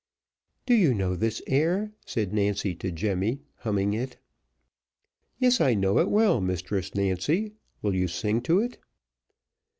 "Do you know this air?" said Nancy to Jemmy, humming it. "Yes, yes, I know it well, Mistress Nancy. Will you sing to it?"